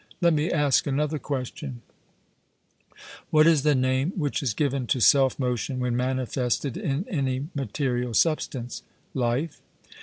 Let me ask another question: What is the name which is given to self motion when manifested in any material substance? 'Life.'